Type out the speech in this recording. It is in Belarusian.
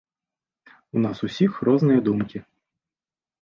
У нас усіх розныя думкі.